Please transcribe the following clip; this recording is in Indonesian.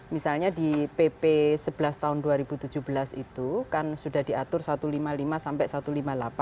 misalnya di pp sebelas tahun dua ribu tujuh belas itu kan sudah diatur satu ratus lima puluh lima sampai satu ratus lima puluh delapan